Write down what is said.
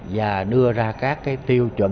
và đưa ra các tiêu chuẩn